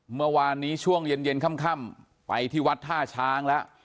เมื่อวานนี้ช่วงเย็นค่ำไปที่วัดท่าช้างแล้ว